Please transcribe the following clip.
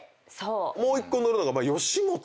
もう１個乗るのが。